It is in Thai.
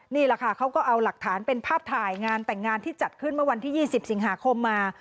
นี่แหละค่ะเขาก็เอาหลักฐานเป็นภาพถ่ายงานแต่งงานที่จัดขึ้นเมื่อวันที่๒๐สิงหาคมมา